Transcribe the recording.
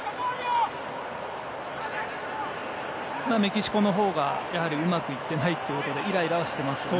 メキシコのほうがうまくいっていないということでイライラはしていますね。